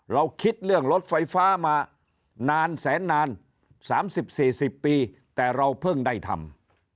เราคิดเรื่องรถไฟฟ้ามานานแสนนาน๓๐๔๐ปีแต่เราเพิ่งได้ทำ